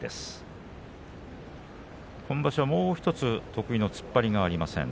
今場所もうひとつ得意の突っ張りがありません。